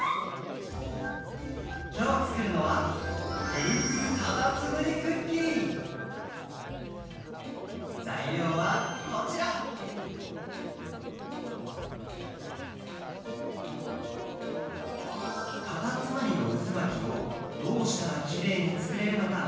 きょうつくるのはざいりょうはこちらカタツムリのうずまきをどうしたらきれいにつくれるのか？